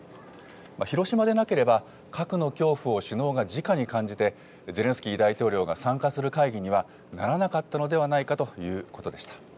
広島でなければ核の恐怖を首脳がじかに感じて、ゼレンスキー大統領が参加する会議にはならなかったのではないかということでした。